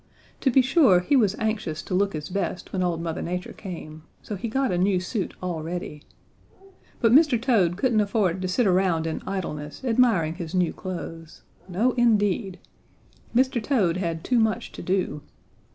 To be sure he was anxious to look his best when old Mother Nature came, so he got a new suit all ready. But Mr. Toad couldn't afford to sit around in idleness admiring his new clothes. No indeed! Mr. Toad had too much to do.